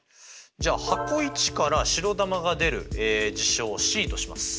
じゃあ箱①から白球が出る事象をＣとします。